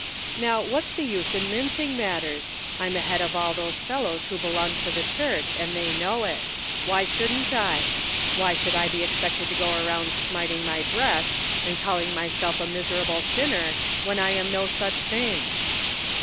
" Now, what's the use in mincing matters? I'm ahead of all those fellows who belong to the church and they know it ; why shouldn't I ? Why should I be expected to go around smiting my breast, and calling myself a miserable sinner, when I am no such thing